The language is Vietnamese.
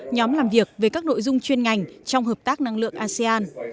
nhóm làm việc về các nội dung chuyên ngành trong hợp tác năng lượng asean